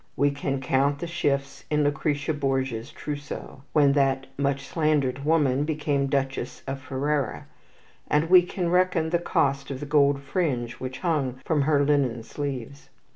We can count the shifts in Lucretia Borgia's trousseau, when that much slandered woman became Duchess of Ferrara, and we can reckon the cost of the gold fringe which hung from her linen sleeves.